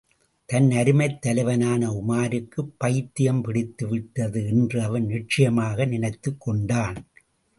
தன் அருமைத் தலைவனான உமாருக்குப் பைத்தியம் பிடித்துவிட்டது என்று அவன் நிச்சயமாக நினைத்துக் கொண்டான்.